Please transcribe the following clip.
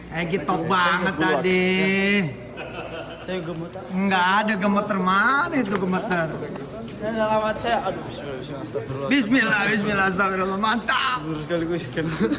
hai egi top banget tadi enggak ada gemeter gemeter